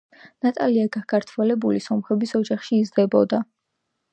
ნატალია გაქართველებული სომხების ოჯახში იზრდებოდა.